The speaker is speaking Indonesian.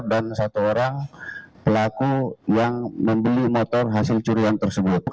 dan satu orang pelaku yang membeli motor hasil curian tersebut